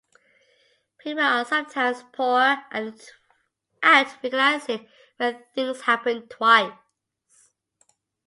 People are sometimes poor at recognizing when things happen twice.